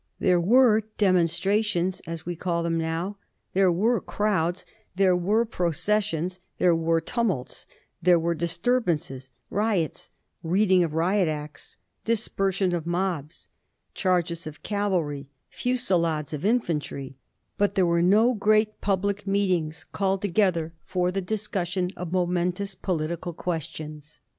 There were * demonstrations,' as we call them now ; there were crowds ; there were processions ; there were tumults ; there were disturbances, riots, reading of Riot Acts, dispersion of mobs, charges of cavalry, fusillades of infantry ; but there were no great pub lic meetings called together for the discussion of Digiti zed by Google 1728 MANUFAOTURINQ PUBLIC OPINION. 375 momentous political questions.